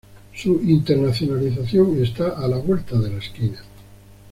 Su internacionalización está a la vuelta de la esquina.